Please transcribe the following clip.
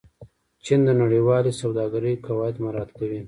چین د نړیوالې سوداګرۍ قواعد مراعت کوي.